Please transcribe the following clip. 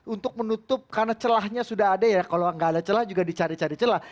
untuk menutup karena celahnya sudah ada ya kalau nggak ada celah juga dicari cari celah